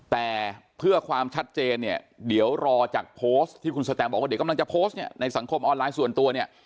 แต่เพื่อความชัดเจนนี้เดี๋ยวรอจากโพสต์ที่คุณสเต็มบอกว่าต้องจากโพสต์ในสังคมออนไลน์คือส่วนตัว